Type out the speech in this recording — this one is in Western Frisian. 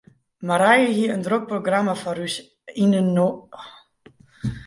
Marije hie in drok programma foar ús yninoar set.